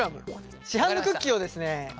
市販のクッキーをですね